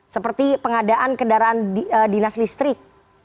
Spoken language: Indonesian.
seperti pengadaan kendaraan dinas listrik